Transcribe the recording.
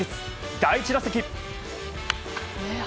第１打席。